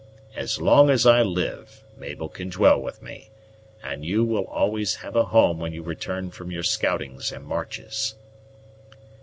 As long as I live, Mabel can dwell with me, and you will always have a home when you return from your scoutings and marches."